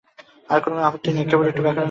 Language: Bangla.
আর কোনো আপত্তি নেই, কেবল একটু ব্যাকরণের আপত্তি।